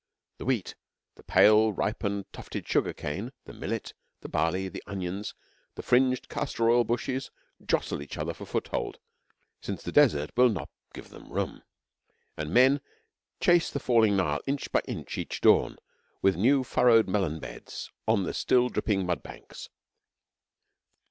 The wheat, the pale ripened tufted sugar cane, the millet, the barley, the onions, the fringed castor oil bushes jostle each other for foothold, since the Desert will not give them room; and men chase the falling Nile inch by inch, each dawn, with new furrowed melon beds on the still dripping mud banks.